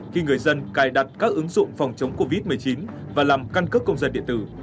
khi người dân cài đặt các ứng dụng phòng chống covid một mươi chín và làm căn cước công dân điện tử